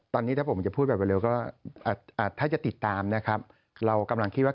ตอนนี้ถ้าผมจะพูดแบบเร็วเรากำลังคิดว่า